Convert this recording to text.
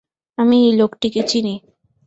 আমি এই লোকটিকে চিনি।